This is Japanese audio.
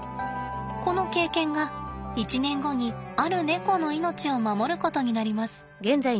この経験が１年後にあるネコの命を守ることになります。